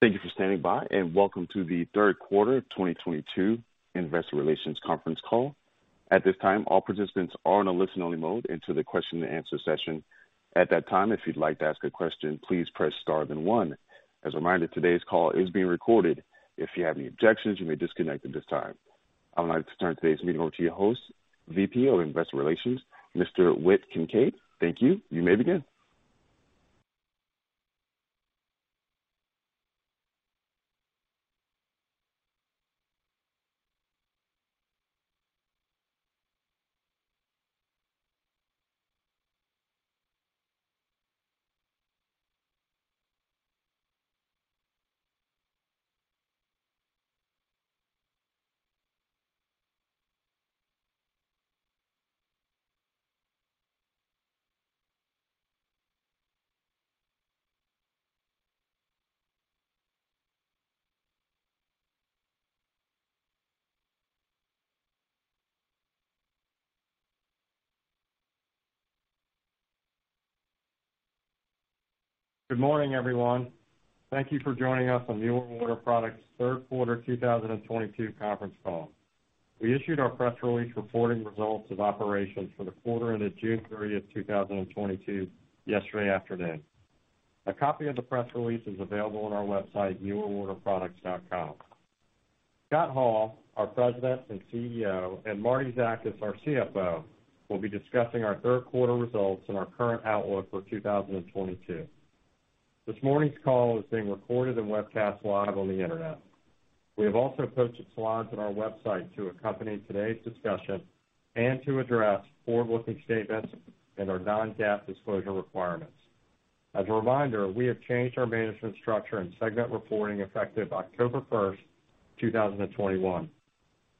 Thank you for standing by, and welcome to the third quarter 2022 investor relations conference call. At this time, all participants are in a listen-only mode until the question and answer session. At that time, if you'd like to ask a question, please press star then one. As a reminder, today's call is being recorded. If you have any objections, you may disconnect at this time. I would like to turn today's meeting over to your host, VP of Investor Relations, Mr. Whit Kincaid. Thank you. You may begin. Good morning, everyone. Thank you for joining us on Mueller Water Products third quarter 2022 conference call. We issued our press release reporting results of operations for the quarter ended June 30th, 2022 yesterday afternoon. A copy of the press release is available on our website, muellerwaterproducts.com. Scott Hall, our President and CEO, and Martie Zakas, our CFO, will be discussing our third quarter results and our current outlook for 2022. This morning's call is being recorded and webcast live on the Internet. We have also posted slides on our website to accompany today's discussion and to address forward-looking statements and our non-GAAP disclosure requirements. As a reminder, we have changed our management structure and segment reporting effective October 1st, 2021.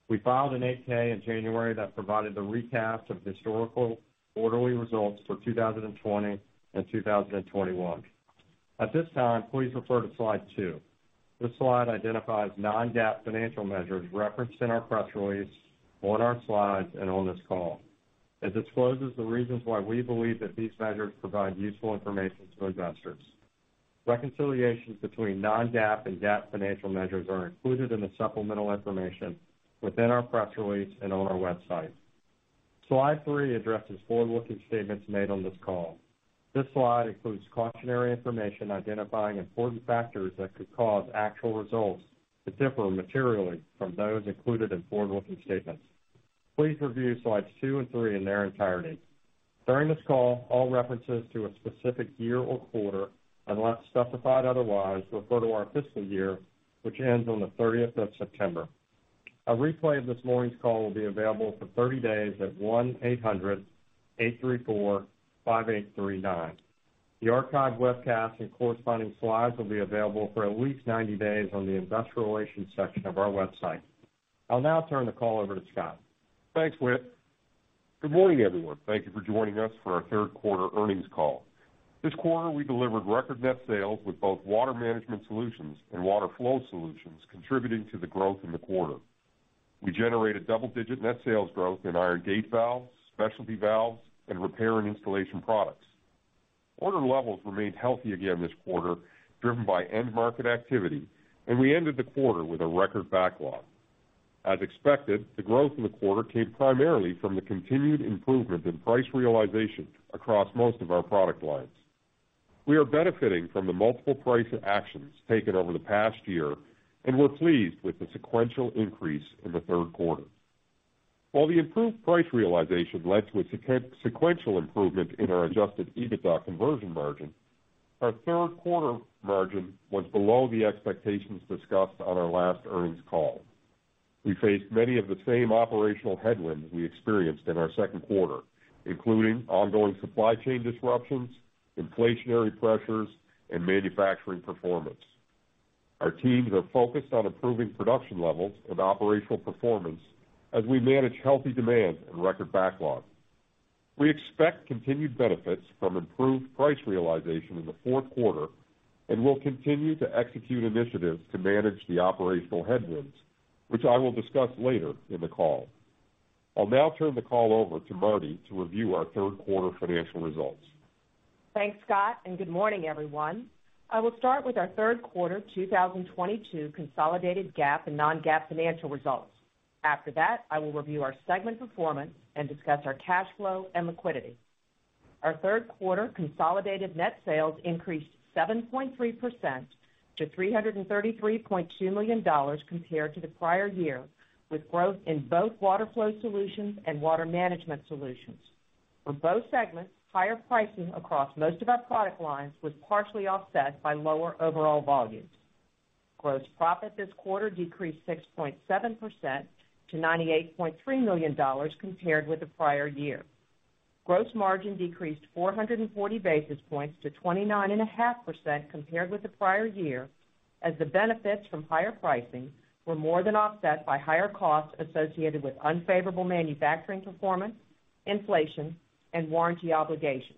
We filed an 8-K in January that provided the recap of historical quarterly results for 2020 and 2021. At this time, please refer to slide two. This slide identifies non-GAAP financial measures referenced in our press release, on our slides, and on this call. It discloses the reasons why we believe that these measures provide useful information to investors. Reconciliations between non-GAAP and GAAP financial measures are included in the supplemental information within our press release and on our website. Slide three addresses forward-looking statements made on this call. This slide includes cautionary information identifying important factors that could cause actual results to differ materially from those included in forward-looking statements. Please review slides two and three in their entirety. During this call, all references to a specific year or quarter, unless specified otherwise, refer to our fiscal year, which ends on the 30th of September. A replay of this morning's call will be available for 30 days at 1-800-834-5839. The archived webcast and corresponding slides will be available for at least 90 days on the investor relations section of our website. I'll now turn the call over to Scott. Thanks, Whit. Good morning, everyone. Thank you for joining us for our third quarter earnings call. This quarter, we delivered record net sales with both Water Management Solutions and Water Flow Solutions contributing to the growth in the quarter. We generated double-digit net sales growth in our gate valves, specialty valves, and repair and installation products. Order levels remained healthy again this quarter, driven by end market activity, and we ended the quarter with a record backlog. As expected, the growth in the quarter came primarily from the continued improvement in price realization across most of our product lines. We are benefiting from the multiple price actions taken over the past year, and we're pleased with the sequential increase in the third quarter. While the improved price realization led to a sequential improvement in our Adjusted EBITDA conversion margin, our third quarter margin was below the expectations discussed on our last earnings call. We faced many of the same operational headwinds we experienced in our second quarter, including ongoing supply chain disruptions, inflationary pressures, and manufacturing performance. Our teams are focused on improving production levels and operational performance as we manage healthy demand and record backlogs. We expect continued benefits from improved price realization in the fourth quarter, and we'll continue to execute initiatives to manage the operational headwinds, which I will discuss later in the call. I'll now turn the call over to Martie to review our third quarter financial results. Thanks, Scott, and good morning, everyone. I will start with our third quarter 2022 consolidated GAAP and non-GAAP financial results. After that, I will review our segment performance and discuss our cash flow and liquidity. Our third quarter consolidated net sales increased 7.3% to $333.2 million compared to the prior year, with growth in both Water Flow Solutions and Water Management Solutions. For both segments, higher pricing across most of our product lines was partially offset by lower overall volumes. Gross profit this quarter decreased 6.7% to $98.3 million compared with the prior year. Gross margin decreased 440 basis points to 29.5% compared with the prior year, as the benefits from higher pricing were more than offset by higher costs associated with unfavorable manufacturing performance, inflation, and warranty obligations.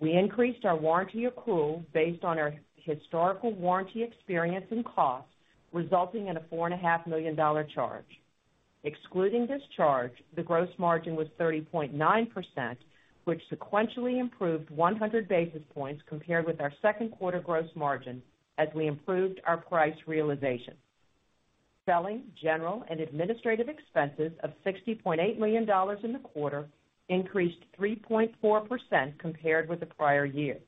We increased our warranty accrual based on our historical warranty experience and cost, resulting in a $4.5 million charge. Excluding this charge, the gross margin was 30.9%, which sequentially improved 100 basis points compared with our second quarter gross margin as we improved our price realization. Selling, general, and administrative expenses of $60.8 million in the quarter increased 3.4% compared with the prior year.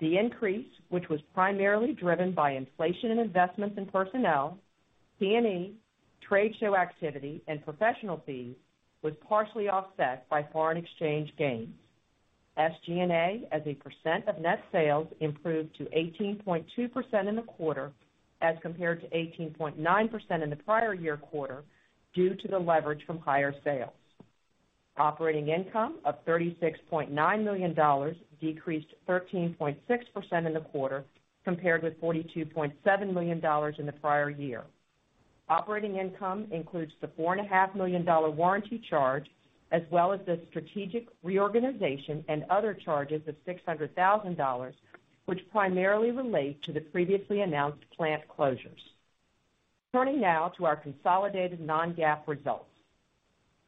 The increase, which was primarily driven by inflation and investments in personnel, P&E, trade show activity, and professional fees, was partially offset by foreign exchange gains. SG&A, as a percent of net sales, improved to 18.2% in the quarter as compared to 18.9% in the prior year quarter due to the leverage from higher sales. Operating income of $36.9 million decreased 13.6% in the quarter compared with $42.7 million in the prior year. Operating income includes the $4.5 million warranty charge as well as the strategic reorganization and other charges of $600,000 which primarily relate to the previously announced plant closures. Turning now to our consolidated non-GAAP results.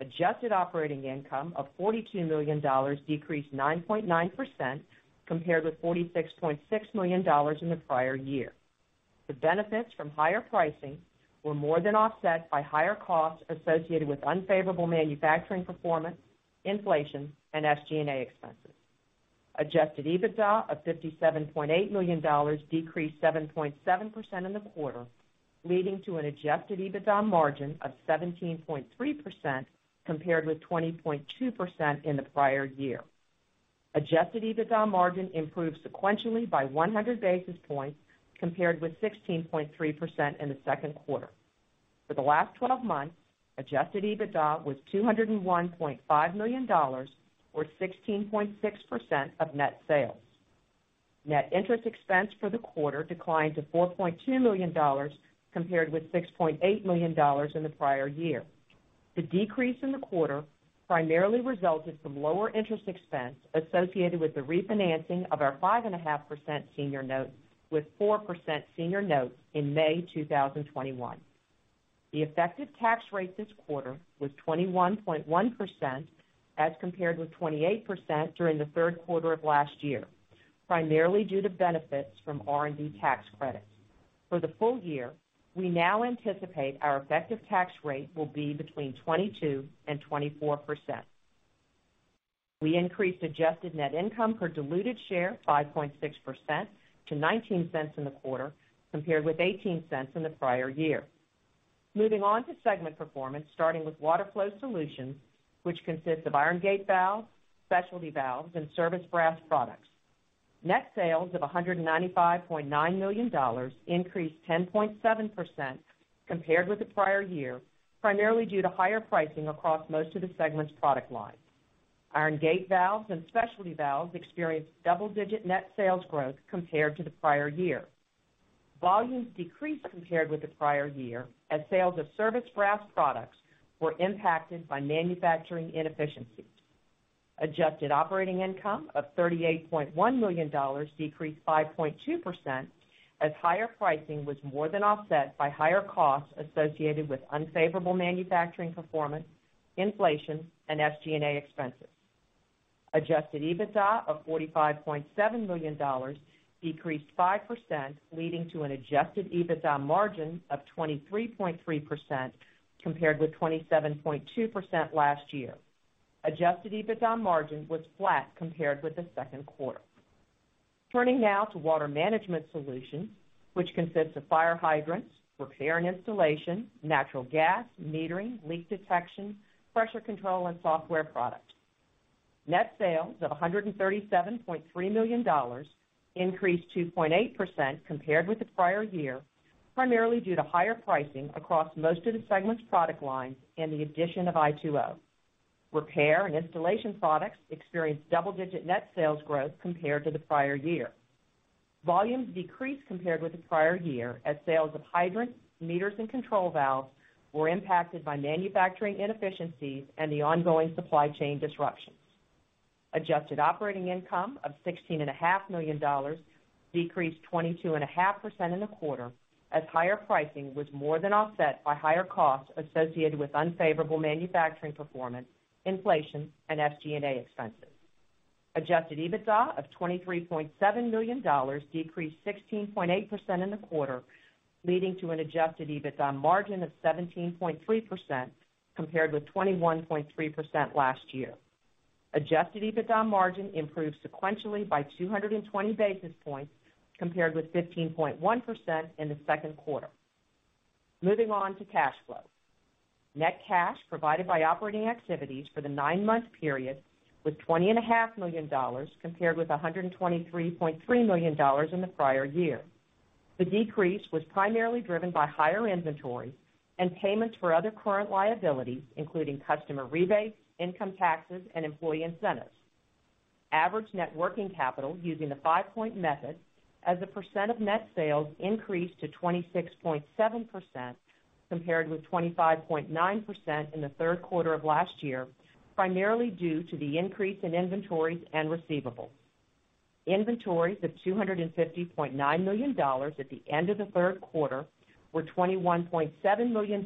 Adjusted operating income of $42 million decreased 9.9% compared with $46.6 million in the prior year. The benefits from higher pricing were more than offset by higher costs associated with unfavorable manufacturing performance, inflation, and SG&A expenses. Adjusted EBITDA of $57.8 million decreased 7.7% in the quarter, leading to an Adjusted EBITDA margin of 17.3% compared with 20.2% in the prior year. Adjusted EBITDA margin improved sequentially by 100 basis points compared with 16.3% in the second quarter. For the last 12 months, Adjusted EBITDA was $201.5 million or 16.6% of net sales. Net interest expense for the quarter declined to $4.2 million compared with $6.8 million in the prior year. The decrease in the quarter primarily resulted from lower interest expense associated with the refinancing of our 5.5% senior note with 4% senior notes in May 2021. The effective tax rate this quarter was 21.1% as compared with 28% during the third quarter of last year, primarily due to benefits from R&D tax credits. For the full year, we now anticipate our effective tax rate will be between 22% and 24%. We increased adjusted net income per diluted share 5.6% to $0.19 in the quarter compared with $0.18 in the prior year. Moving on to segment performance, starting with Water Flow Solutions, which consists of iron gate valves, specialty valves, and service brass products. Net sales of $195.9 million increased 10.7% compared with the prior year, primarily due to higher pricing across most of the segment's product lines. Iron gate valves and specialty valves experienced double-digit net sales growth compared to the prior year. Volumes decreased compared with the prior year as sales of service brass products were impacted by manufacturing inefficiencies. Adjusted operating income of $38.1 million decreased 5.2% as higher pricing was more than offset by higher costs associated with unfavorable manufacturing performance, inflation, and SG&A expenses. Adjusted EBITDA of $45.7 million decreased 5%, leading to an Adjusted EBITDA margin of 23.3% compared with 27.2% last year. Adjusted EBITDA margin was flat compared with the second quarter. Turning now to Water Management Solutions, which consists of fire hydrants, repair and installation, natural gas, metering, leak detection, pressure control, and software products. Net sales of $137.3 million increased 2.8% compared with the prior year, primarily due to higher pricing across most of the segment's product lines and the addition of i2O. Repair and installation products experienced double-digit net sales growth compared to the prior year. Volumes decreased compared with the prior year as sales of hydrants, meters, and control valves were impacted by manufacturing inefficiencies and the ongoing supply chain disruptions. Adjusted operating income of $16.5 million decreased 22.5% in the quarter as higher pricing was more than offset by higher costs associated with unfavorable manufacturing performance, inflation, and SG&A expenses. Adjusted EBITDA of $23.7 million decreased 16.8% in the quarter, leading to an Adjusted EBITDA margin of 17.3% compared with 21.3% last year. Adjusted EBITDA margin improved sequentially by 220 basis points compared with 15.1% in the second quarter. Moving on to cash flow. Net cash provided by operating activities for the nine-month period was $20.5 million compared with $123.3 million in the prior year. The decrease was primarily driven by higher inventory and payments for other current liabilities, including customer rebates, income taxes, and employee incentives. Average net working capital using the five-point method as a percent of net sales increased to 26.7% compared with 25.9% in the third quarter of last year, primarily due to the increase in inventories and receivables. Inventories of $250.9 million at the end of the third quarter were $21.7 million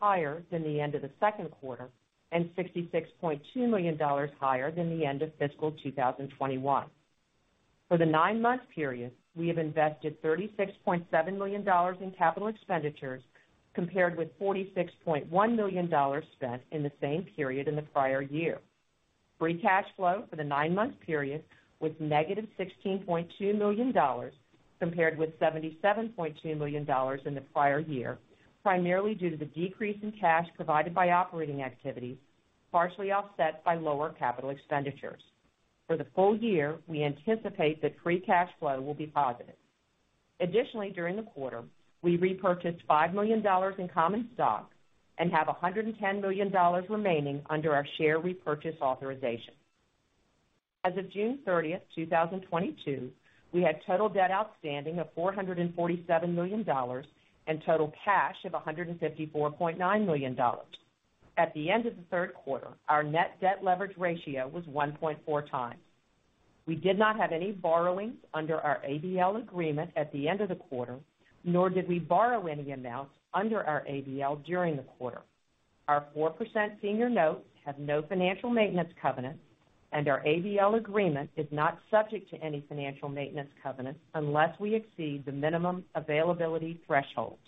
higher than the end of the second quarter and $66.2 million higher than the end of fiscal 2021. For the nine-month period, we have invested $36.7 million in capital expenditures compared with $46.1 million spent in the same period in the prior year. Free cash flow for the nine-month period was -$16.2 million compared with $77.2 million in the prior year, primarily due to the decrease in cash provided by operating activities, partially offset by lower capital expenditures. For the full year, we anticipate that free cash flow will be positive. Additionally, during the quarter, we repurchased $5 million in common stock and have $110 million remaining under our share repurchase authorization. As of June 30th, 2022, we had total debt outstanding of $447 million and total cash of $154.9 million. At the end of the third quarter, our net debt leverage ratio was 1.4x. We did not have any borrowings under our ABL agreement at the end of the quarter, nor did we borrow any amounts under our ABL during the quarter. Our 4% senior notes have no financial maintenance covenants, and our ABL agreement is not subject to any financial maintenance covenants unless we exceed the minimum availability threshold.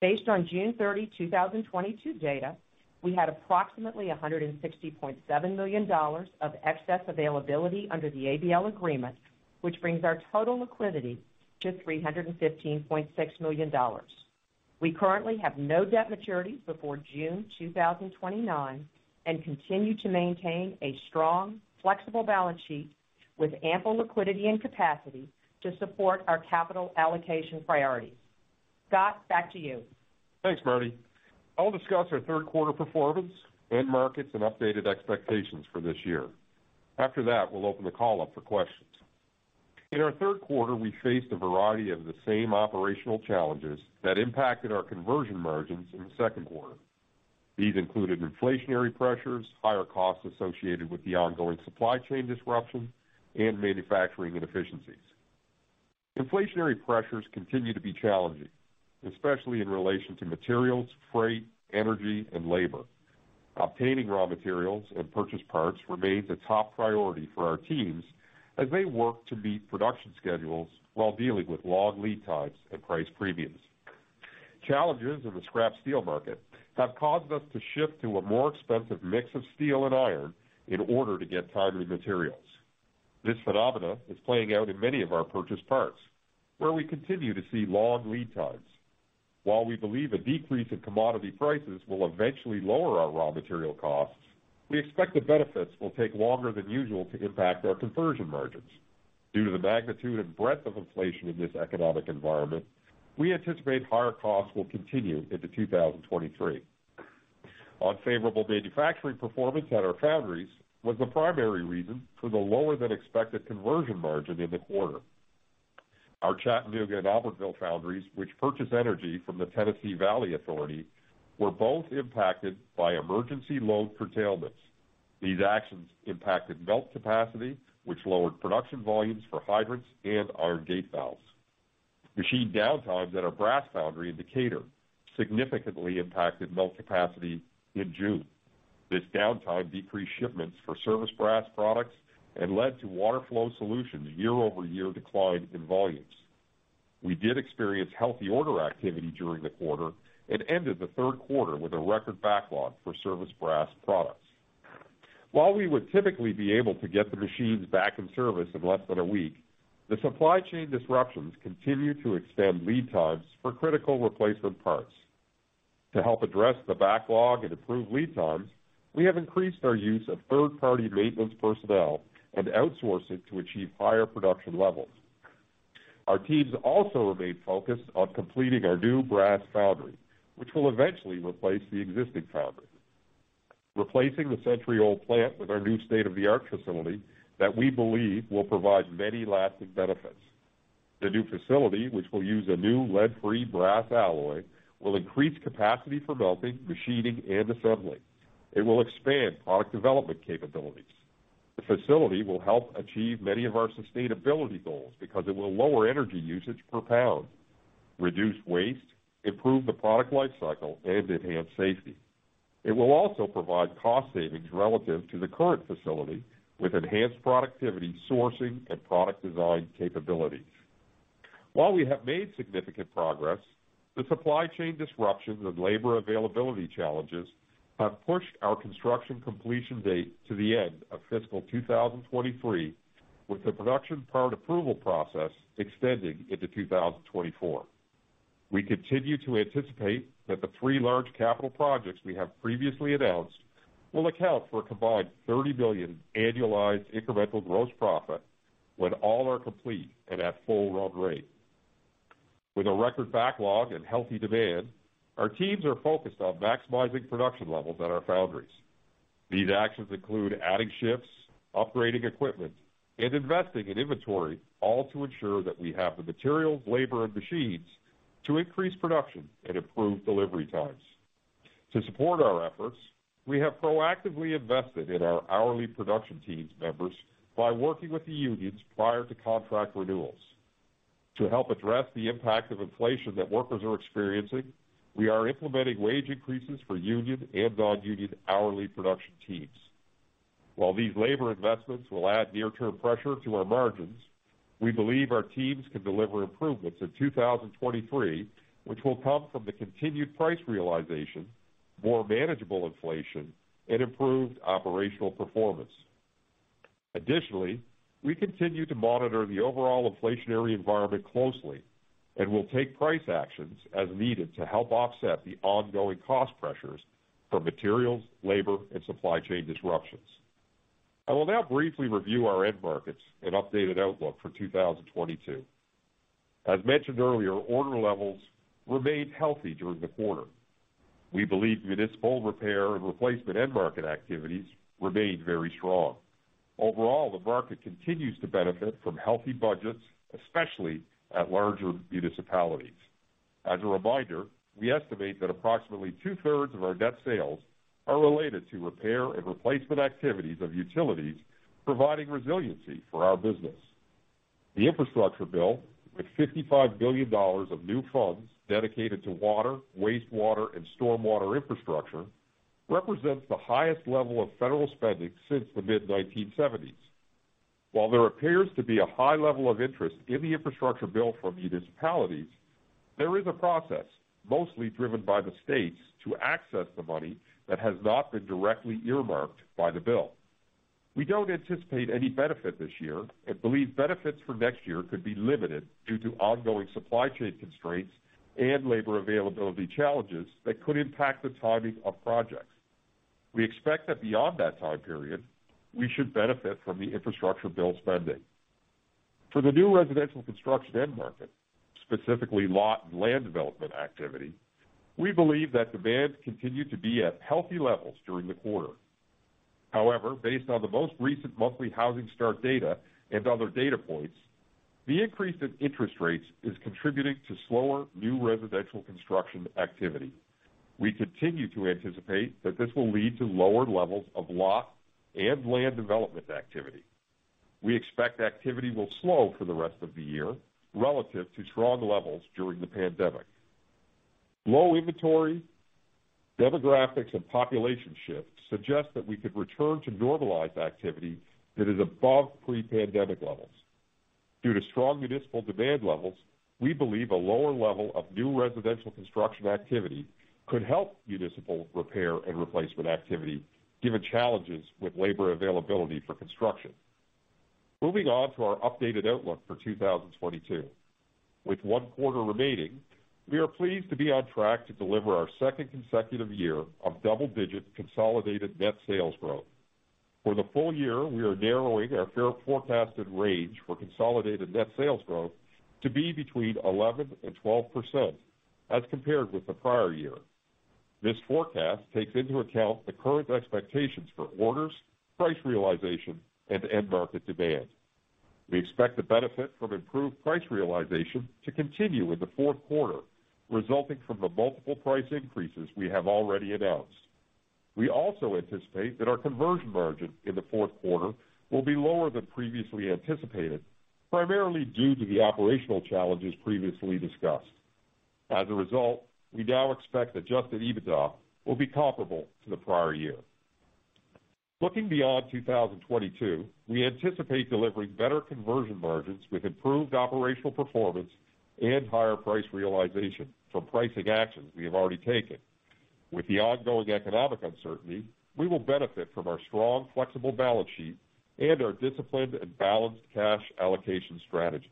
Based on June 30, 2022 data, we had approximately $160.7 million of excess availability under the ABL agreement, which brings our total liquidity to $315.6 million. We currently have no debt maturity before June 2029 and continue to maintain a strong, flexible balance sheet with ample liquidity and capacity to support our capital allocation priorities. Scott, back to you. Thanks, Martie. I'll discuss our third quarter performance, end markets, and updated expectations for this year. After that, we'll open the call up for questions. In our third quarter, we faced a variety of the same operational challenges that impacted our conversion margins in the second quarter. These included inflationary pressures, higher costs associated with the ongoing supply chain disruption, and manufacturing inefficiencies. Inflationary pressures continue to be challenging, especially in relation to materials, freight, energy, and labor. Obtaining raw materials and purchase parts remains a top priority for our teams as they work to meet production schedules while dealing with long lead times and price premiums. Challenges in the scrap steel market have caused us to shift to a more expensive mix of steel and iron in order to get timely materials. This phenomenon is playing out in many of our purchased parts, where we continue to see long lead times. While we believe a decrease in commodity prices will eventually lower our raw material costs, we expect the benefits will take longer than usual to impact our conversion margins. Due to the magnitude and breadth of inflation in this economic environment, we anticipate higher costs will continue into 2023. Unfavorable manufacturing performance at our foundries was the primary reason for the lower-than-expected conversion margin in the quarter. Our Chattanooga and Auburndale foundries, which purchase energy from the Tennessee Valley Authority, were both impacted by emergency load curtailments. These actions impacted melt capacity, which lowered production volumes for hydrants and our gate valves. Machine downtimes at our brass foundry in Decatur significantly impacted melt capacity in June. This downtime decreased shipments for service brass products and led to Water Flow Solutions' year-over-year decline in volumes. We did experience healthy order activity during the quarter and ended the third quarter with a record backlog for service brass products. While we would typically be able to get the machines back in service in less than a week, the supply chain disruptions continue to extend lead times for critical replacement parts. To help address the backlog and improve lead times, we have increased our use of third-party maintenance personnel and outsourcing to achieve higher production levels. Our teams also remain focused on completing our new brass foundry, which will eventually replace the existing foundry. Replacing the century-old plant with our new state-of-the-art facility that we believe will provide many lasting benefits. The new facility, which will use a new lead-free brass alloy, will increase capacity for melting, machining, and assembly. It will expand product development capabilities. The facility will help achieve many of our sustainability goals because it will lower energy usage per pound, reduce waste, improve the product life cycle, and enhance safety. It will also provide cost savings relative to the current facility with enhanced productivity, sourcing, and product design capabilities. While we have made significant progress, the supply chain disruptions and labor availability challenges have pushed our construction completion date to the end of fiscal 2023, with the production part approval process extending into 2024. We continue to anticipate that the three large capital projects we have previously announced will account for a combined $30 billion annualized incremental gross profit when all are complete and at full run rate. With a record backlog and healthy demand, our teams are focused on maximizing production levels at our foundries. These actions include adding shifts, upgrading equipment, and investing in inventory, all to ensure that we have the materials, labor, and machines to increase production and improve delivery times. To support our efforts, we have proactively invested in our hourly production team members by working with the unions prior to contract renewals. To help address the impact of inflation that workers are experiencing, we are implementing wage increases for union and non-union hourly production teams. While these labor investments will add near-term pressure to our margins, we believe our teams can deliver improvements in 2023, which will come from the continued price realization, more manageable inflation, and improved operational performance. Additionally, we continue to monitor the overall inflationary environment closely and will take price actions as needed to help offset the ongoing cost pressures from materials, labor, and supply chain disruptions. I will now briefly review our end markets and updated outlook for 2022. As mentioned earlier, order levels remained healthy during the quarter. We believe municipal repair and replacement end market activities remained very strong. Overall, the market continues to benefit from healthy budgets, especially at larger municipalities. As a reminder, we estimate that approximately 2/3 of our net sales are related to repair and replacement activities of utilities providing resiliency for our business. The infrastructure bill, with $55 billion of new funds dedicated to water, wastewater and stormwater infrastructure, represents the highest level of federal spending since the mid-1970s. While there appears to be a high level of interest in the infrastructure bill from municipalities, there is a process, mostly driven by the states, to access the money that has not been directly earmarked by the bill. We don't anticipate any benefit this year and believe benefits for next year could be limited due to ongoing supply chain constraints and labor availability challenges that could impact the timing of projects. We expect that beyond that time period, we should benefit from the infrastructure bill spending. For the new residential construction end market, specifically lot and land development activity, we believe that demand continued to be at healthy levels during the quarter. However, based on the most recent monthly housing start data and other data points, the increase in interest rates is contributing to slower new residential construction activity. We continue to anticipate that this will lead to lower levels of lot and land development activity. We expect activity will slow for the rest of the year relative to strong levels during the pandemic. Low inventory, demographics and population shifts suggest that we could return to normalized activity that is above pre-pandemic levels. Due to strong municipal demand levels, we believe a lower level of new residential construction activity could help municipal repair and replacement activity, given challenges with labor availability for construction. Moving on to our updated outlook for 2022. With one quarter remaining, we are pleased to be on track to deliver our second consecutive year of double-digit consolidated net sales growth. For the full year, we are narrowing our forecasted range for consolidated net sales growth to be between 11% and 12% as compared with the prior year. This forecast takes into account the current expectations for orders, price realization and end market demand. We expect the benefit from improved price realization to continue in the fourth quarter, resulting from the multiple price increases we have already announced. We also anticipate that our conversion margin in the fourth quarter will be lower than previously anticipated, primarily due to the operational challenges previously discussed. As a result, we now expect Adjusted EBITDA will be comparable to the prior year. Looking beyond 2022, we anticipate delivering better conversion margins with improved operational performance and higher price realization from pricing actions we have already taken. With the ongoing economic uncertainty, we will benefit from our strong, flexible balance sheet and our disciplined and balanced cash allocation strategies.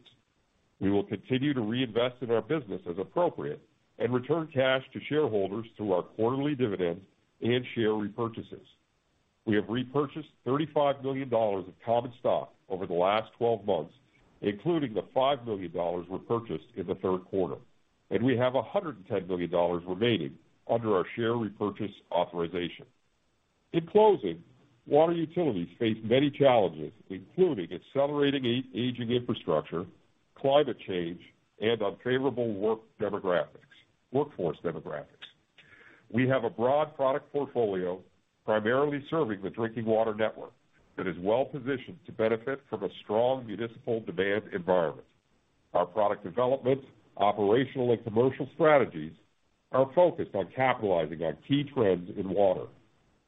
We will continue to reinvest in our business as appropriate and return cash to shareholders through our quarterly dividends and share repurchases. We have repurchased $35 million of common stock over the last 12 months, including the $5 million repurchased in the third quarter, and we have $110 million remaining under our share repurchase authorization. In closing, water utilities face many challenges, including accelerating aging infrastructure, climate change and unfavorable workforce demographics. We have a broad product portfolio, primarily serving the drinking water network, that is well-positioned to benefit from a strong municipal demand environment. Our product development, operational and commercial strategies are focused on capitalizing on key trends in water.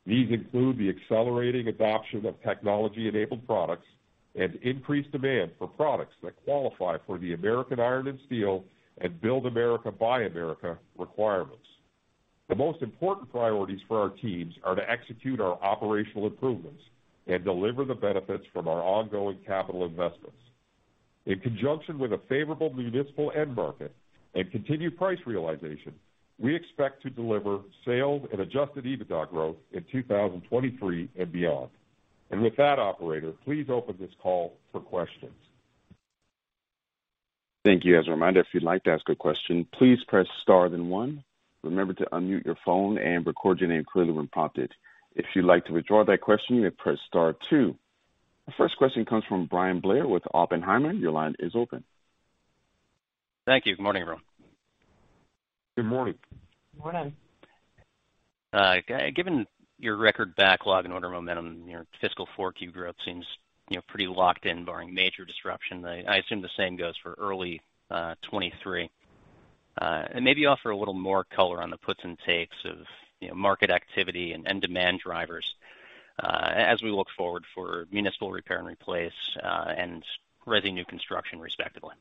These include the accelerating adoption of technology-enabled products and increased demand for products that qualify for the American Iron and Steel and Build America, Buy America requirements. The most important priorities for our teams are to execute our operational improvements and deliver the benefits from our ongoing capital investments. In conjunction with a favorable municipal end market and continued price realization, we expect to deliver sales and Adjusted EBITDA growth in 2023 and beyond. With that, operator, please open this call for questions. Thank you. As a reminder, if you'd like to ask a question, please press star then one. Remember to unmute your phone and record your name clearly when prompted. If you'd like to withdraw that question, you may press star two. The first question comes from Bryan Blair with Oppenheimer. Your line is open. Thank you. Good morning, everyone. Good morning. Good morning. Given your record backlog and order momentum, your fiscal 4Q growth seems, you know, pretty locked in barring major disruption. I assume the same goes for early 2023. Maybe offer a little more color on the puts and takes of, you know, market activity and demand drivers, as we look forward for municipal repair and replace, and resi new construction respectively.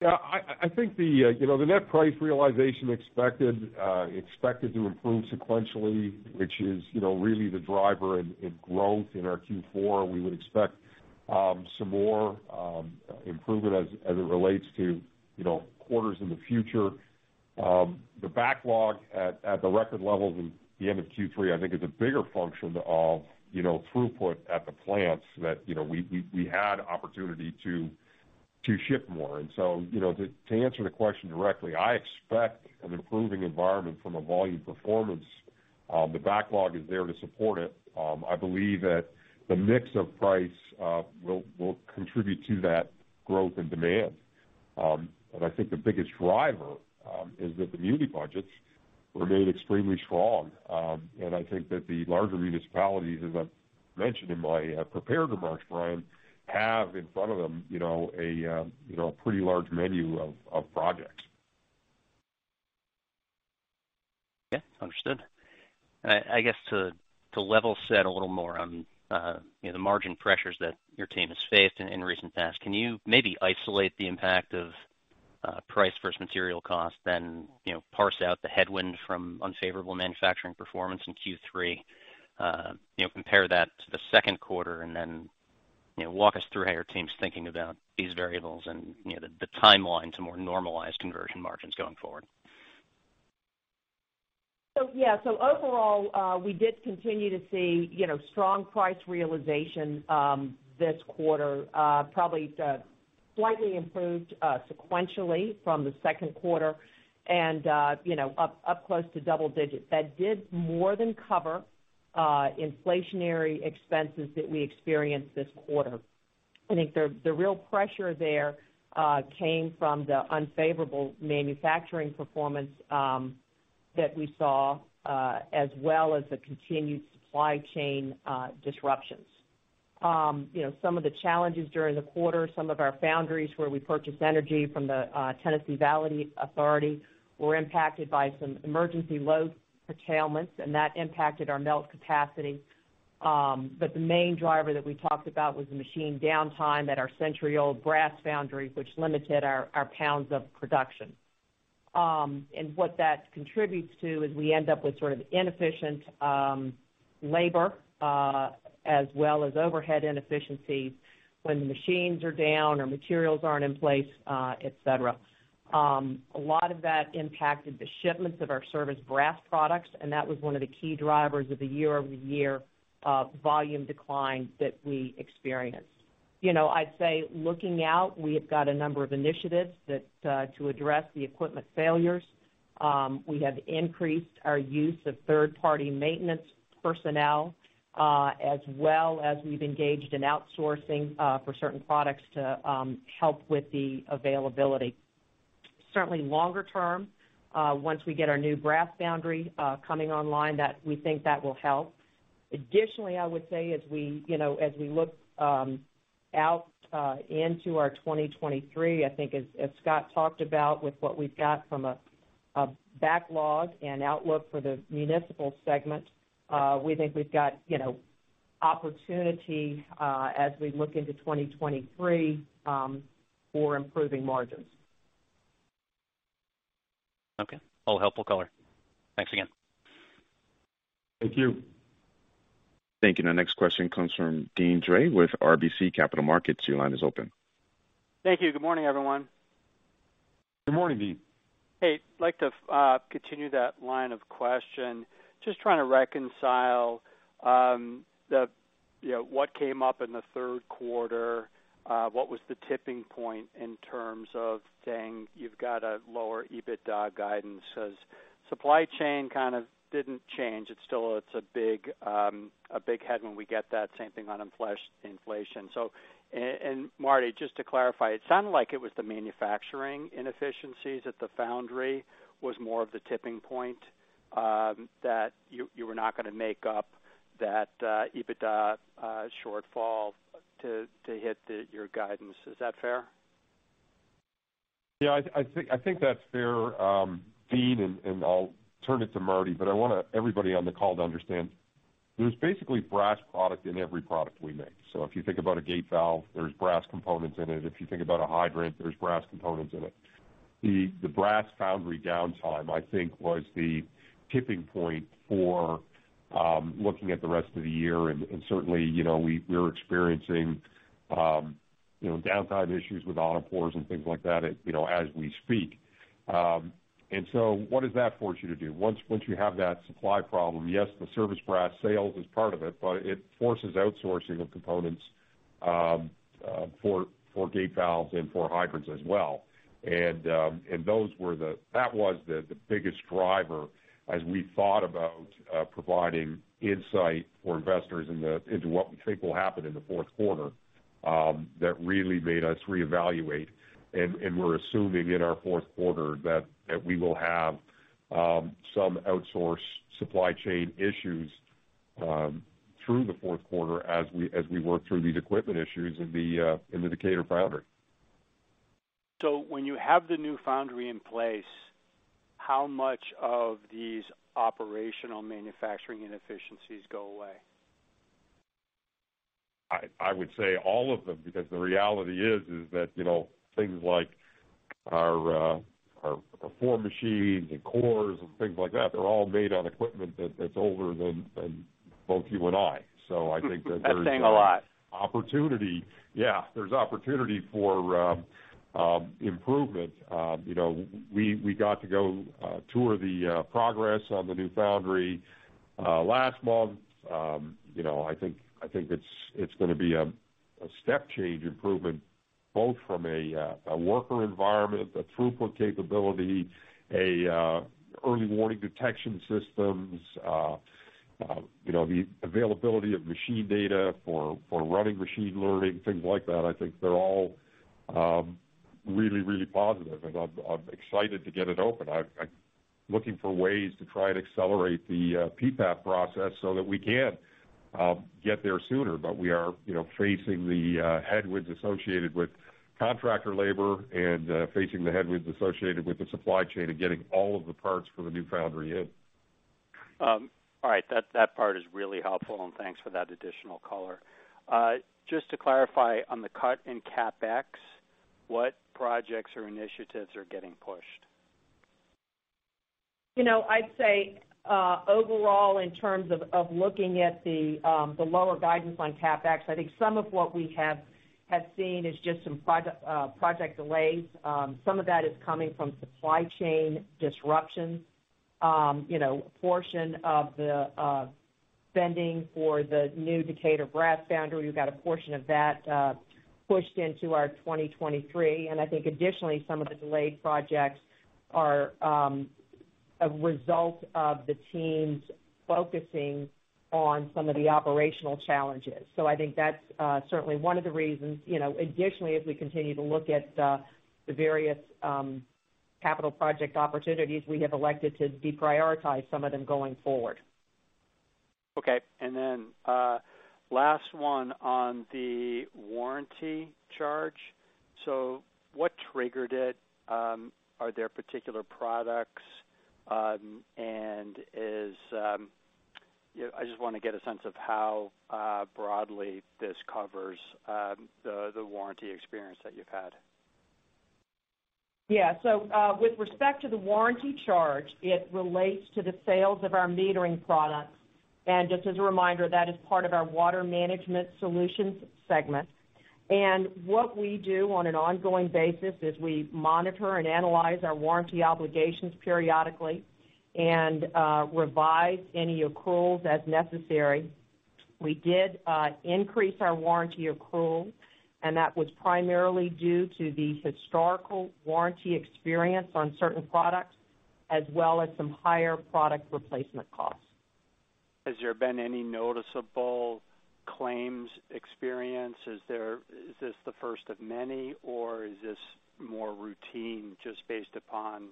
Yeah, I think you know, the net price realization expected to improve sequentially, which is you know, really the driver in growth in our Q4. We would expect some more improvement as it relates to you know, quarters in the future. The backlog at the record levels in the end of Q3, I think is a bigger function of you know, throughput at the plants that you know, we had opportunity to ship more. You know, to answer the question directly, I expect an improving environment from a volume performance. The backlog is there to support it. I believe that the mix of price will contribute to that growth and demand. I think the biggest driver is that the muni budgets remain extremely strong. I think that the larger municipalities, as I mentioned in my prepared remarks, Bryan, have in front of them, you know, a you know, pretty large menu of projects. Yeah. Understood. I guess to level set a little more on, you know, the margin pressures that your team has faced in recent past, can you maybe isolate the impact of price versus material costs then, you know, parse out the headwind from unfavorable manufacturing performance in Q3? You know, compare that to the second quarter and then, you know, walk us through how your team's thinking about these variables and, you know, the timeline to more normalized conversion margins going forward. Overall, we did continue to see, you know, strong price realization this quarter, probably slightly improved sequentially from the second quarter and, you know, up close to double digits. That did more than cover inflationary expenses that we experienced this quarter. I think the real pressure there came from the unfavorable manufacturing performance that we saw as well as the continued supply chain disruptions. Some of the challenges during the quarter, some of our foundries where we purchased energy from the Tennessee Valley Authority were impacted by some emergency load curtailments, and that impacted our melt capacity. The main driver that we talked about was the machine downtime at our century-old brass foundry, which limited our pounds of production. What that contributes to is we end up with sort of inefficient labor as well as overhead inefficiencies when the machines are down or materials aren't in place, et cetera. A lot of that impacted the shipments of our service brass products, and that was one of the key drivers of the year-over-year volume decline that we experienced. You know, I'd say looking out, we have got a number of initiatives that to address the equipment failures. We have increased our use of third-party maintenance personnel as well as we've engaged in outsourcing for certain products to help with the availability. Certainly longer term, once we get our new brass foundry coming online, that we think that will help. Additionally, I would say as we, you know, as we look out into our 2023, I think as Scott talked about with what we've got from a backlog and outlook for the municipal segment, we think we've got, you know, opportunity as we look into 2023, for improving margins. Okay. All helpful color. Thanks again. Thank you. Thank you. Now next question comes from Deane Dray with RBC Capital Markets. Your line is open. Thank you. Good morning, everyone. Good morning, Deane. Hey, I'd like to continue that line of question. Just trying to reconcile, you know, what came up in the third quarter, what was the tipping point in terms of saying you've got a lower EBITDA guidance? 'Cause supply chain kind of didn't change. It's still, it's a big head when we get that same thing on inflation. Martie, just to clarify, it sounded like it was the manufacturing inefficiencies at the foundry was more of the tipping point, that you were not gonna make up that EBITDA shortfall to hit your guidance. Is that fair? Yeah, I think that's fair, Deane, and I'll turn it to Martie. I want everybody on the call to understand there's basically brass product in every product we make. If you think about a gate valve, there's brass components in it. If you think about a hydrant, there's brass components in it. The brass foundry downtime, I think, was the tipping point for looking at the rest of the year and certainly, you know, we're experiencing, you know, downtime issues with auto pours and things like that, you know, as we speak. What does that force you to do? Once you have that supply problem, yes, the service brass sales is part of it, but it forces outsourcing of components for gate valves and for hydrants as well. That was the biggest driver as we thought about providing insight for investors into what we think will happen in the fourth quarter, that really made us reevaluate. We're assuming in our fourth quarter that we will have some outsource supply chain issues through the fourth quarter as we work through these equipment issues in the Decatur foundry. When you have the new foundry in place, how much of these operational manufacturing inefficiencies go away? I would say all of them, because the reality is that, you know, things like our form machines and cores and things like that, they're all made on equipment that's older than both you and I. So I think that there's That's saying a lot. Opportunity. Yeah, there's opportunity for improvement. You know, we got to go tour the progress on the new foundry last month. You know, I think it's gonna be a step change improvement, both from a worker environment, a throughput capability, early warning detection systems, you know, the availability of machine data for running machine learning, things like that. I think they're all really positive, and I'm excited to get it open. I'm looking for ways to try and accelerate the PPAP process so that we can get there sooner. We are, you know, facing the headwinds associated with contractor labor and facing the headwinds associated with the supply chain and getting all of the parts for the new foundry in. All right. That part is really helpful, and thanks for that additional color. Just to clarify on the cut in CapEx, what projects or initiatives are getting pushed? You know, I'd say, overall, in terms of looking at the lower guidance on CapEx, I think some of what we have seen is just some project delays. Some of that is coming from supply chain disruptions. You know, a portion of the spending for the new Decatur brass foundry, we've got a portion of that pushed into our 2023. I think additionally, some of the delayed projects are a result of the teams focusing on some of the operational challenges. I think that's certainly one of the reasons. You know, additionally, as we continue to look at the various capital project opportunities, we have elected to deprioritize some of them going forward. Okay. Last one on the warranty charge. What triggered it? Are there particular products? I just wanna get a sense of how broadly this covers the warranty experience that you've had. Yeah. With respect to the warranty charge, it relates to the sales of our metering products. Just as a reminder, that is part of our Water Management Solutions segment. What we do on an ongoing basis is we monitor and analyze our warranty obligations periodically and revise any accruals as necessary. We did increase our warranty accrual, and that was primarily due to the historical warranty experience on certain products as well as some higher product replacement costs. Has there been any noticeable claims experience? Is this the first of many, or is this more routine just based upon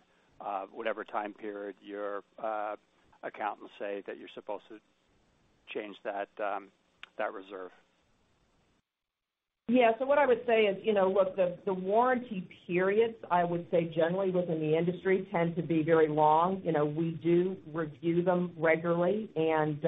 whatever time period your accountants say that you're supposed to change that reserve? Yeah. What I would say is, you know, look, the warranty periods, I would say, generally within the industry tend to be very long. You know, we do review them regularly, and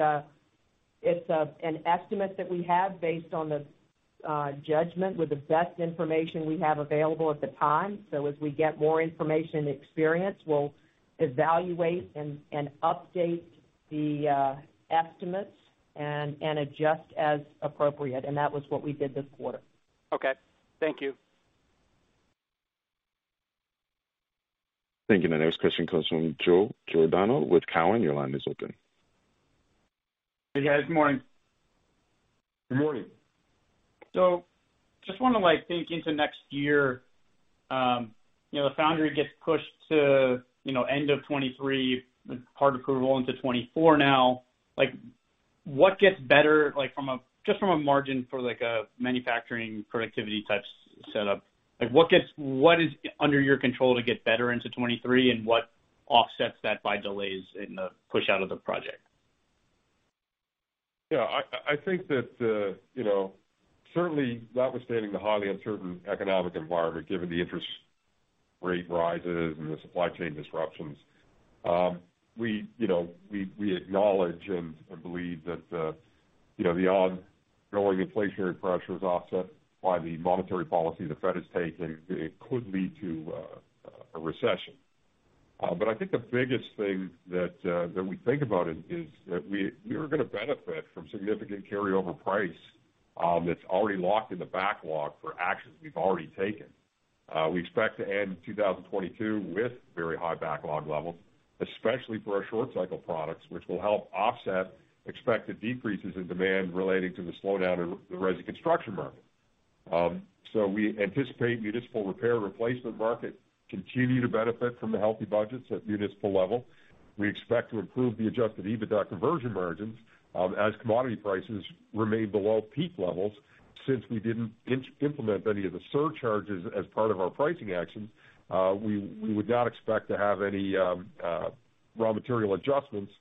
it's an estimate that we have based on the judgment with the best information we have available at the time. As we get more information and experience, we'll evaluate and update the estimates and adjust as appropriate. That was what we did this quarter. Okay. Thank you. Thank you. The next question comes from Joe Giordano with Cowen. Your line is open. Hey, guys. Morning. Good morning. Just wanna, like, think into next year. You know, the foundry gets pushed to, you know, end of 2023, part of it will roll into 2024 now. Like, what gets better, like, just from a margin for, like, a manufacturing productivity type setup? Like, what is under your control to get better into 2023, and what offsets that by delays in the push out of the project? Yeah. I think that, you know, certainly notwithstanding the highly uncertain economic environment, given the interest rate rises and the supply chain disruptions, we, you know, acknowledge and believe that, you know, the ongoing inflationary pressures offset by the monetary policy the Fed is taking, it could lead to a recession. I think the biggest thing that we think about is that we are gonna benefit from significant carryover price that's already locked in the backlog for actions we've already taken. We expect to end 2022 with very high backlog levels, especially for our short cycle products, which will help offset expected decreases in demand relating to the slowdown in the resi construction market. We anticipate municipal repair replacement market continue to benefit from the healthy budgets at municipal level. We expect to improve the Adjusted EBITDA conversion margins, as commodity prices remain below peak levels. Since we didn't implement any of the surcharges as part of our pricing actions, we would not expect to have any raw material adjustments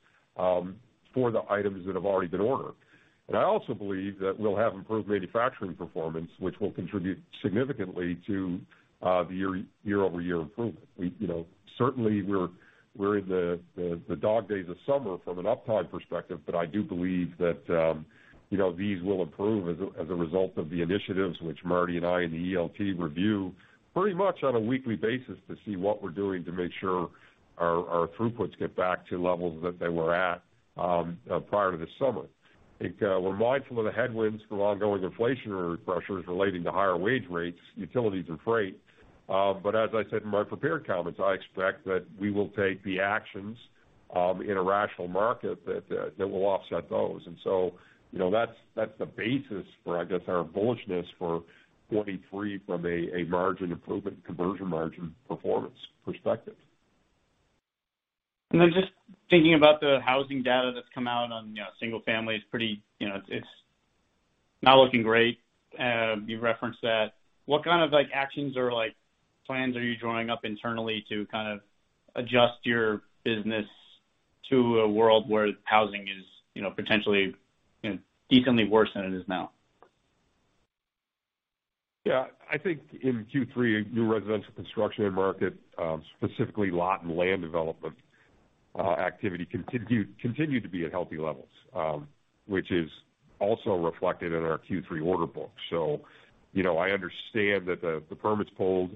for the items that have already been ordered. I also believe that we'll have improved manufacturing performance, which will contribute significantly to the year-over-year improvement. You know, certainly we're in the dog days of summer from an uptime perspective, but I do believe that these will improve as a result of the initiatives which Martie and I and the ELT review pretty much on a weekly basis to see what we're doing to make sure our throughputs get back to levels that they were at prior to the summer. I think, we're mindful of the headwinds from ongoing inflationary pressures relating to higher wage rates, utilities and freight. As I said in my prepared comments, I expect that we will take the actions, in a rational market that will offset those. You know, that's the basis for, I guess, our bullishness for 2023 from a margin improvement conversion margin performance perspective. Just thinking about the housing data that's come out on, you know, single family, it's pretty, you know, it's not looking great. You've referenced that. What kind of like actions or like plans are you drawing up internally to kind of adjust your business to a world where housing is, you know, potentially, you know, decently worse than it is now? Yeah. I think in Q3 new residential construction end market, specifically lot and land development, activity continued to be at healthy levels, which is also reflected in our Q3 order book. You know, I understand that the permits pulled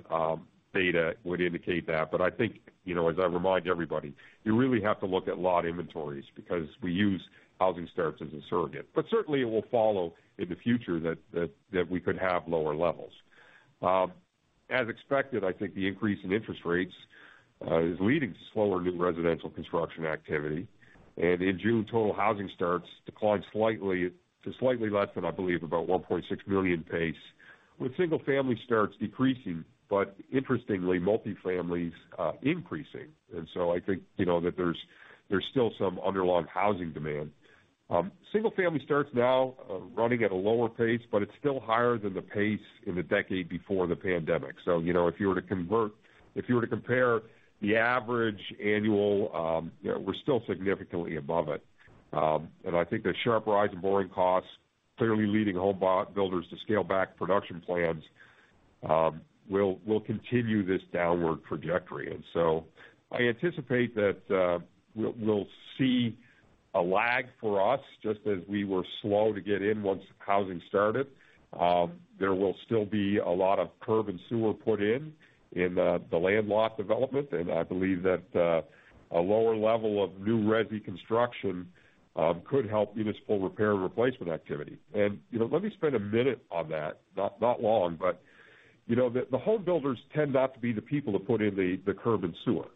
data would indicate that. I think, you know, as I remind everybody, you really have to look at lot inventories because we use housing starts as a surrogate. Certainly it will follow in the future that we could have lower levels. As expected, I think the increase in interest rates is leading to slower new residential construction activity. In June, total housing starts declined slightly to slightly less than, I believe, about 1.6 million pace, with single family starts decreasing, but interestingly, multi-family increasing. I think you know that there's still some underlying housing demand. Single-family starts now running at a lower pace, but it's still higher than the pace in the decade before the pandemic. You know, if you were to compare the average annual, you know, we're still significantly above it. I think the sharp rise in borrowing costs clearly leading home builders to scale back production plans will continue this downward trajectory. I anticipate that we'll see a lag for us just as we were slow to get in once housing started. There will still be a lot of curb and sewer put in the land lot development. I believe that a lower level of new resi construction could help municipal repair and replacement activity. You know, let me spend a minute on that. Not long, but you know, the home builders tend not to be the people to put in the curb and sewer.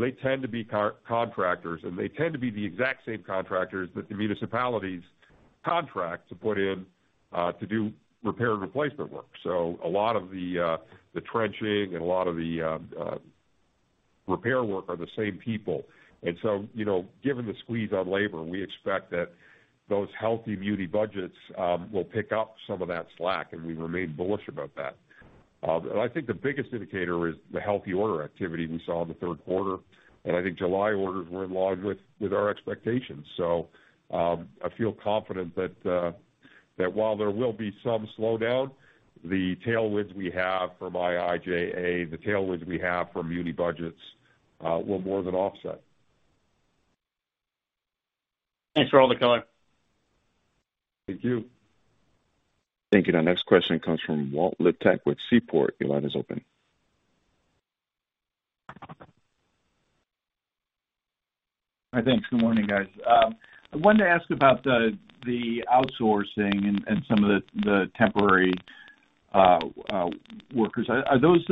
They tend to be contractors, and they tend to be the exact same contractors that the municipalities contract to put in to do repair and replacement work. A lot of the trenching and a lot of the repair work are the same people. You know, given the squeeze on labor, we expect that those healthy muni budgets will pick up some of that slack, and we remain bullish about that. I think the biggest indicator is the healthy order activity we saw in the third quarter. I think July orders were in line with our expectations. I feel confident that while there will be some slowdown, the tailwinds we have from IIJA, the tailwinds we have from muni budgets, will more than offset. Thanks for all the color. Thank you. Thank you. Our next question comes from Walt Liptak with Seaport. Your line is open. Hi, thanks. Good morning, guys. I wanted to ask about the outsourcing and some of the temporary workers. Are those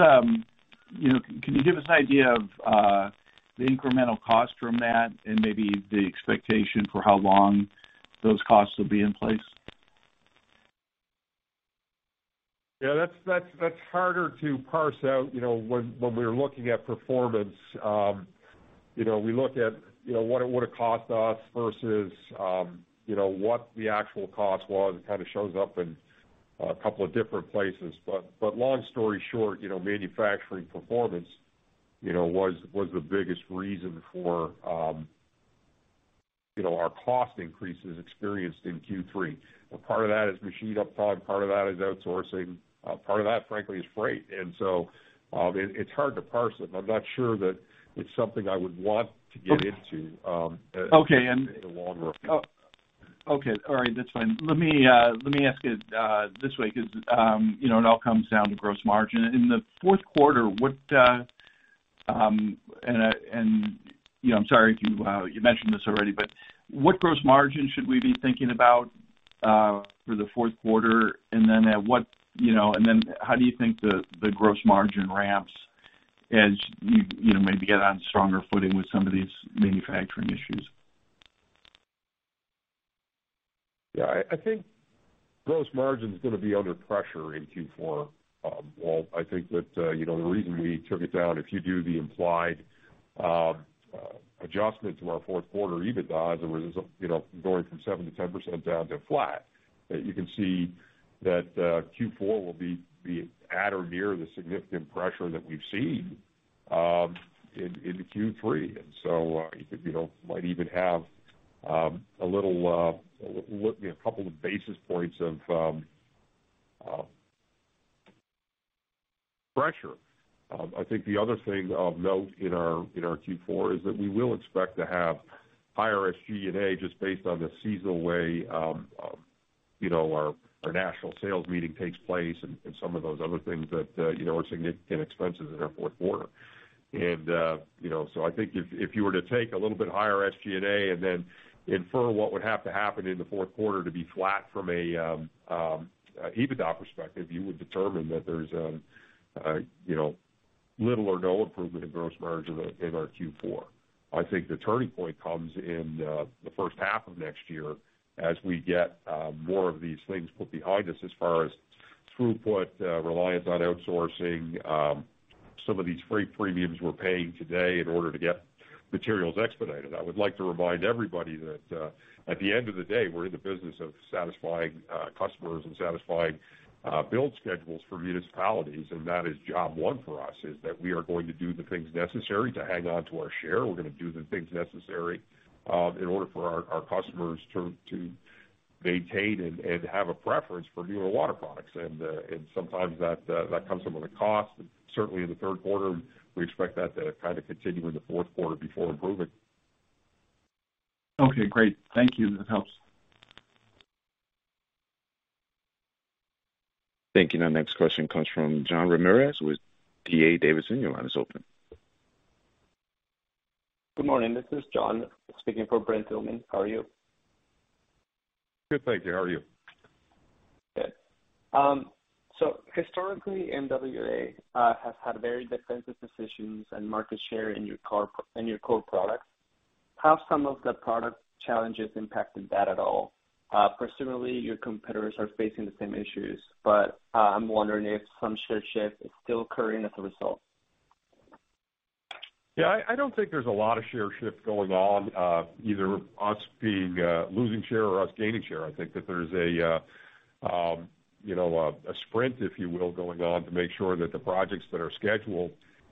you know? Can you give us an idea of the incremental cost from that and maybe the expectation for how long those costs will be in place? Yeah, that's harder to parse out. You know, when we are looking at performance, you know, we look at, you know, what it would've cost us versus, you know, what the actual cost was. It kind of shows up in a couple of different places. Long story short, you know, manufacturing performance, you know, was the biggest reason for, you know, our cost increases experienced in Q3. Part of that is machine uptime, part of that is outsourcing, part of that, frankly, is freight. It's hard to parse it, and I'm not sure that it's something I would want to get into. Okay. in the longer Oh, okay. All right. That's fine. Let me ask it this way 'cause you know it all comes down to gross margin. In the fourth quarter, you know, I'm sorry if you mentioned this already, but what gross margin should we be thinking about for the fourth quarter? Then at what, you know, how do you think the gross margin ramps as you know maybe get on stronger footing with some of these manufacturing issues? Yeah, I think gross margin's gonna be under pressure in Q4. Walt, I think that you know, the reason we took it down, if you do the implied adjustment to our fourth quarter EBITDA, you know, going from 7%-10% down to flat, that you can see that Q4 will be at or near the significant pressure that we've seen in Q3. You could, you know, might even have a couple of basis points of pressure. I think the other thing of note in our Q4 is that we will expect to have higher SG&A just based on the seasonal way, you know, our national sales meeting takes place and some of those other things that, you know, are significant expenses in our fourth quarter. I think if you were to take a little bit higher SG&A and then infer what would have to happen in the fourth quarter to be flat from an EBITDA perspective, you would determine that there's, you know, little or no improvement in gross margin in our Q4. I think the turning point comes in the first half of next year as we get more of these things put behind us as far as throughput, reliance on outsourcing, some of these freight premiums we're paying today in order to get materials expedited. I would like to remind everybody that at the end of the day, we're in the business of satisfying customers and satisfying build schedules for municipalities. That is job one for us, is that we are going to do the things necessary to hang on to our share. We're gonna do the things necessary in order for our customers to maintain and have a preference for Mueller Water Products. Sometimes that comes from a cost. Certainly in the third quarter, we expect that to kind of continue in the fourth quarter before improving. Okay, great. Thank you. That helps. Thank you. Now next question comes from Jean Ramirez with D.A. Davidson. Your line is open. Good morning. This is Jean speaking for Brent Thielman. How are you? Good, thank you. How are you? Good. Historically, MWA has had very defensive positions and market share in your core products. Have some of the product challenges impacted that at all? Presumably your competitors are facing the same issues, but I'm wondering if some share shift is still occurring as a result. Yeah. I don't think there's a lot of share shift going on, either us being losing share or us gaining share. I think that there's, you know, a sprint, if you will, going on to make sure that the projects that are scheduled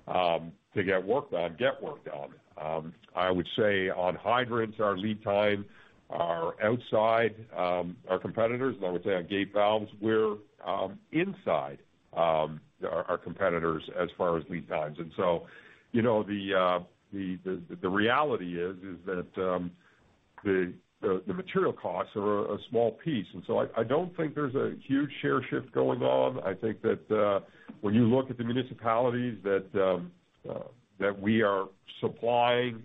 to get worked on, get worked on. I would say on hydrants, our lead time are outside our competitors. I would say on gate valves, we're inside our competitors as far as lead times. You know, the reality is that the material costs are a small piece. I don't think there's a huge share shift going on. I think that when you look at the municipalities that we are supplying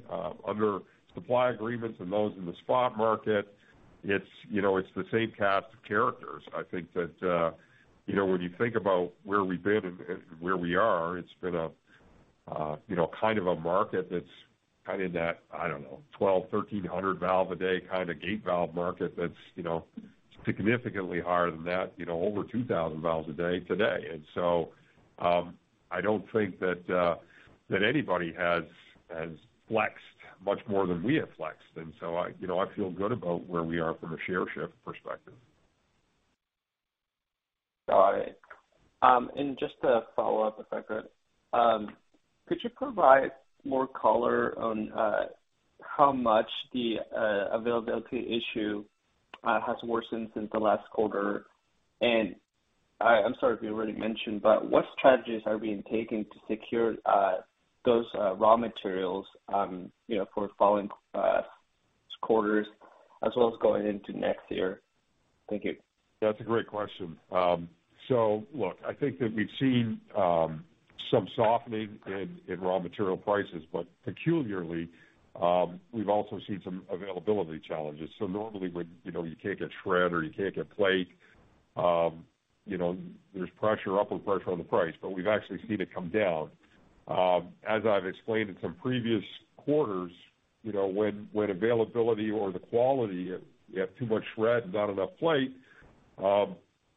under supply agreements and those in the spot market, it's, you know, it's the same cast of characters. I think that, you know, when you think about where we've been and where we are, it's been a, you know, kind of a market that's kind of in that, I don't know, 1,200-1,300 valve a day kind of gate valve market that's, you know, significantly higher than that, you know, over 2,000 valves a day today. I don't think that anybody has flexed much more than we have flexed. I, you know, I feel good about where we are from a share shift perspective. Got it. Just to follow up, if I could you provide more color on how much the availability issue has worsened since the last quarter? I'm sorry if you already mentioned, but what strategies are being taken to secure those raw materials, you know, for following quarters as well as going into next year? Thank you. That's a great question. Look, I think that we've seen some softening in raw material prices, but peculiarly, we've also seen some availability challenges. Normally when you know, you can't get shred or you can't get plate, you know, there's pressure, upward pressure on the price, but we've actually seen it come down. As I've explained in some previous quarters, you know, when availability or the quality, if you have too much shred and not enough plate,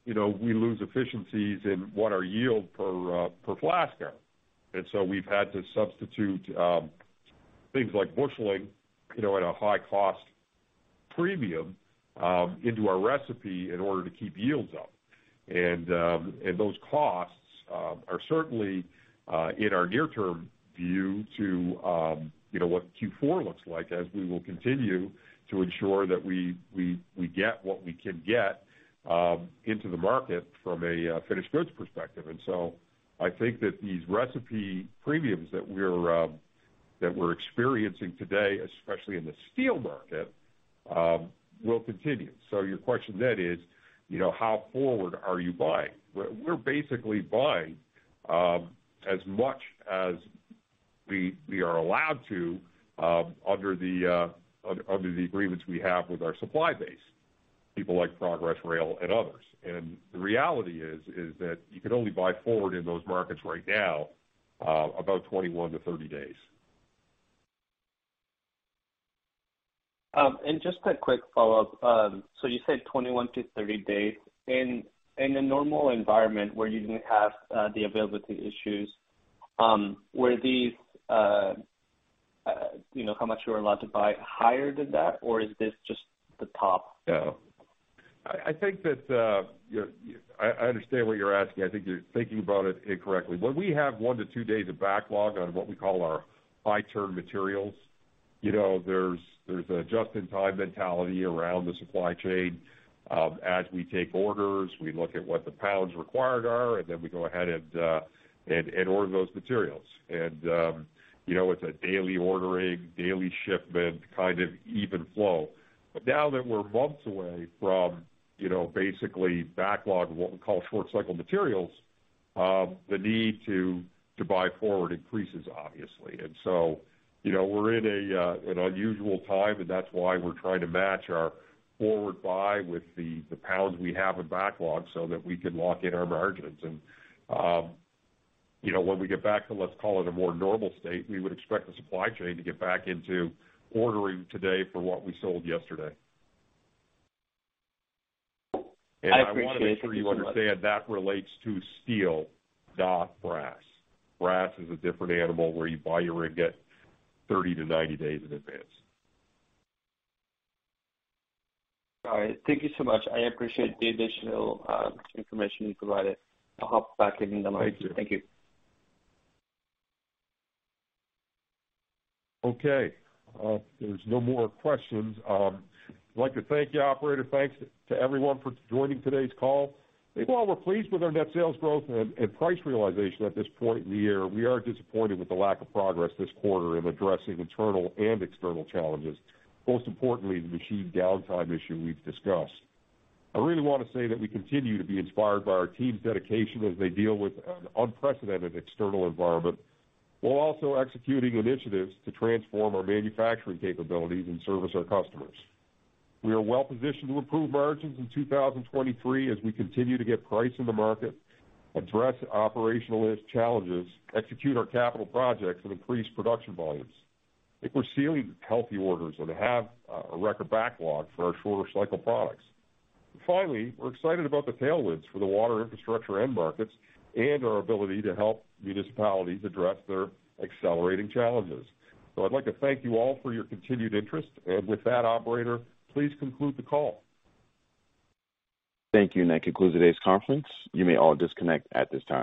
you know, we lose efficiencies in what our yield per flask are. We've had to substitute things like busheling, you know, at a high cost premium into our recipe in order to keep yields up. Those costs are certainly in our near-term view to you know what Q4 looks like as we will continue to ensure that we get what we can get into the market from a finished goods perspective. I think that these recent premiums that we're experiencing today, especially in the steel market, will continue. Your question then is you know how forward are you buying? We're basically buying as much as we are allowed to under the agreements we have with our supply base, people like Progress Rail and others. The reality is that you can only buy forward in those markets right now about 21-30 days. Just a quick follow-up. You said 21-30 days. In a normal environment where you didn't have the availability issues, were these, you know, how much you were allowed to buy higher than that, or is this just the top? No. I understand what you're asking. I think you're thinking about it incorrectly. When we have one to two days of backlog on what we call our high turn materials, you know, there's a just-in-time mentality around the supply chain. As we take orders, we look at what the pounds required are, and then we go ahead and order those materials. You know, it's a daily ordering, daily shipment, kind of even flow. Now that we're months away from, you know, basically backlog, what we call short cycle materials, the need to buy forward increases obviously. You know, we're in an unusual time, and that's why we're trying to match our forward buy with the pounds we have in backlog so that we can lock in our margins. you know, when we get back to, let's call it a more normal state, we would expect the supply chain to get back into ordering today for what we sold yesterday. I appreciate you. I wanna make sure you understand that relates to steel, not brass. Brass is a different animal where you buy your ingot 30-90 days in advance. All right. Thank you so much. I appreciate the additional information you provided. I'll hop back in the line. Thank you. Okay. If there's no more questions, I'd like to thank you, operator. Thanks to everyone for joining today's call. I think while we're pleased with our net sales growth and price realization at this point in the year, we are disappointed with the lack of progress this quarter in addressing internal and external challenges, most importantly, the machine downtime issue we've discussed. I really wanna say that we continue to be inspired by our team's dedication as they deal with an unprecedented external environment, while also executing initiatives to transform our manufacturing capabilities and service our customers. We are well-positioned to improve margins in 2023 as we continue to get price in the market, address operational challenges, execute our capital projects, and increase production volumes. I think we're seeing healthy orders and have a record backlog for our shorter cycle products. Finally, we're excited about the tailwinds for the water infrastructure end markets and our ability to help municipalities address their accelerating challenges. I'd like to thank you all for your continued interest. With that, operator, please conclude the call. Thank you. That concludes today's conference. You may all disconnect at this time.